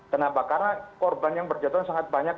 kenapa karena korban yang berjatuhan sangat banyak